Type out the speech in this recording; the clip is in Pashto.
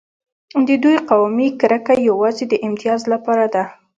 د دوی قومي کرکه یوازې د امتیاز لپاره ده.